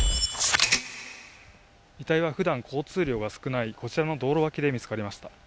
遺体はふだん交通量が少ないこちらの道路脇で見つかりました。